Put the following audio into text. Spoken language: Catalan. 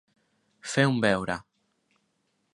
Fer un beure.